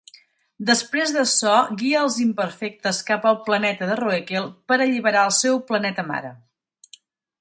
Després d'açò, guia als Imperfectes cap al Planeta de Roekel per alliberar el seu planeta mare.